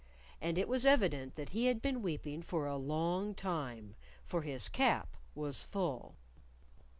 And it was evident that he had been weeping for a long time, for his cap was full!